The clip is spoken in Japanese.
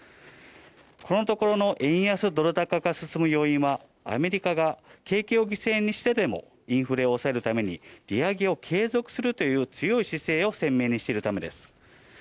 このところの円安ドル高が進む要因はアメリカが景気を犠牲にしてでもインフレを抑えるために利上げを継続するという強い姿勢を鮮明にしているためです。